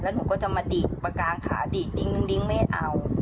แล้วหนูก็จะมาดิดประกาศขาดิดดิ้งไม่เอา